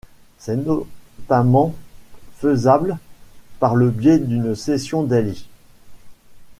C'est notamment faisable par le biais d'une cession Dailly.